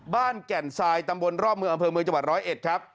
แก่นทรายตำบลรอบเมืองอำเภอเมืองจังหวัดร้อยเอ็ดครับ